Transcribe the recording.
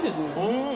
うん！